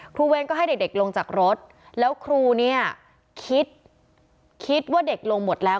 เวรก็ให้เด็กลงจากรถแล้วครูเนี่ยคิดคิดว่าเด็กลงหมดแล้ว